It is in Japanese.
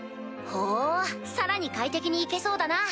ほうさらに快適に行けそうだな。